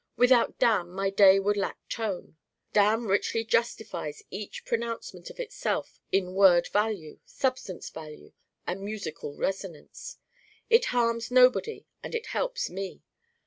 Without Damn my day would lack tone. Damn richly justifies each pronouncement of itself in word value, substance value and musical resonance. It harms nobody and it helps me.